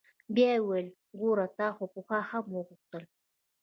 بيا يې وويل ګوره تا خو پخوا هم غوښتل.